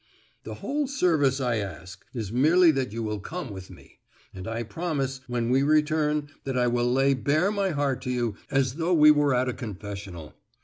"The whole service I ask is merely that you will come with me; and I promise, when we return that I will lay bare my heart to you as though we were at a confessional.